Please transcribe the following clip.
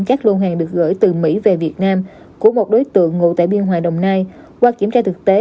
các lô hàng được gửi từ mỹ về việt nam của một đối tượng ngụ tại biên hòa đồng nai qua kiểm tra thực tế